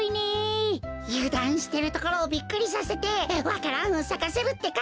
ゆだんしてるところをビックリさせてわか蘭をさかせるってか。